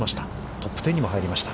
トップ１０にも入りました。